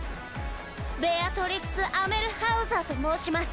ベアトリクス・アメルハウザーと申しマス。